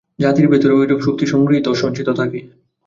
জাতির ভিতরেও ঐরূপ শক্তি সংগৃহীত ও সঞ্চিত থাকে।